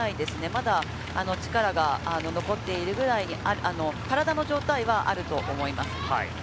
まだ力が残っているくらいに体の状態はあると思います。